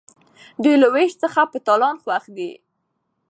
دوی له ویش څخه په تالان خوښ دي.